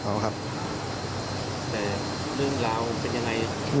แต่เรื่องเราเป็นอย่างไร